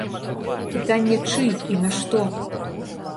Пытанне, чый і на што?